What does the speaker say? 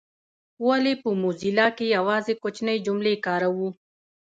ولي په موزیلا کي یوازي کوچنۍ جملې کاروو؟